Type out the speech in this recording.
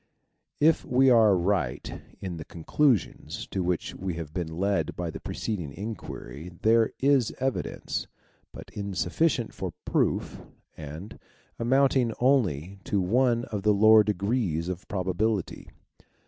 If we are right in the conclusions to which we have been led by the preceding inquiry there is evidence, but insufficient for proof, and amounting only to one of the lower degrees of probability.